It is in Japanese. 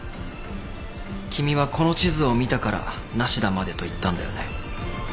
君はこの地図を見たから「ナシダまで」と言ったんだよね。